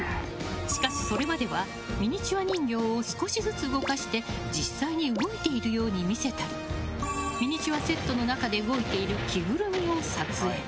しかし、それまではミニチュア人形を少しずつ動かして実際に動いているように見せたりミニチュアセットの中で動いている着ぐるみを撮影。